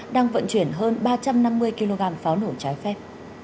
đang vận chuyển hơn ba trăm năm mươi kg pháo nổ trái phép